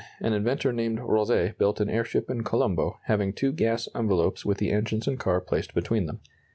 ] In 1901, an inventor named Roze built an airship in Colombo, having two gas envelopes with the engines and car placed between them.